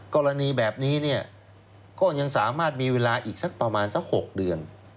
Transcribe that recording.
กรณีแบบนี้เนี่ยก็ยังสามารถมีเวลาอีกสักประมาณสัก๖เดือน